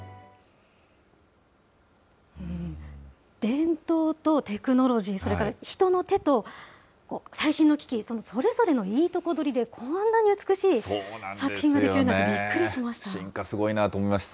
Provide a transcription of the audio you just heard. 伝統とテクノロジー、それから人の手と最新の機器、それぞれのいいとこどりで、こんなに美しい作品ができるんだって、進化、すごいなと思いました。